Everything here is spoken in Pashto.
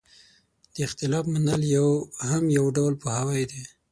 د اختلاف منل هم یو ډول پوهاوی دی.